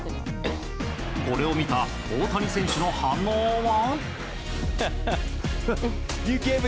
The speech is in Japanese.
これを見た、大谷選手の反応は。